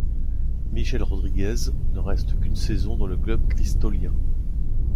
Michel Rodriguez ne reste qu'une saison dans le club cristolien.